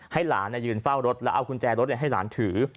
ให้หลานยืนเฝ้ารถแล้วเอากุญแจรถให้หลานถือ